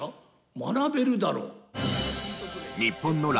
学べるだろう。